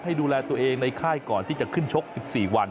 ให้ดูแลตัวเองในค่ายก่อนที่จะขึ้นชก๑๔วัน